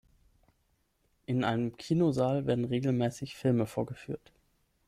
In einem Kinosaal werden regelmäßig Filme vorgeführt.